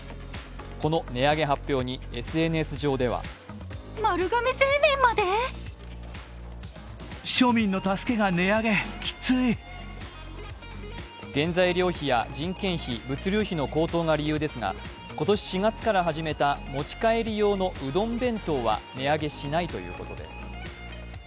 この値上げ発表にＳＮＳ上では原材料費や人件費、物流費の高騰が理由ですが、今年４月から始めた持ち帰り用のうどん弁当は値上げしないということです。